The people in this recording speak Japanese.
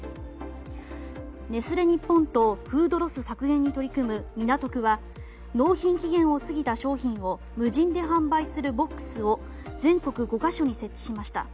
ネスレ日本とフードロス削減に取り組む、みなとくは納品期限を過ぎた商品を無人で販売するボックスを全国５か所に設置しました。